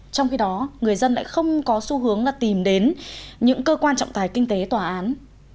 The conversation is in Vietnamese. trong khi đó người dân lại không có xu hướng là tìm đến những cơ quan trọng tài kinh tế tòa án